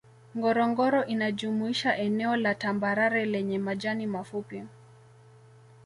Ngorongoro inajumuisha eneo la tambarare lenye majani mafupi